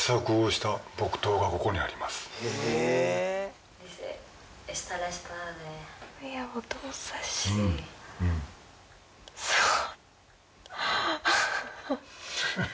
すごい。